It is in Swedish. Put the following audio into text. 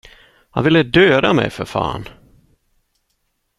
Han ville döda mig, för fan!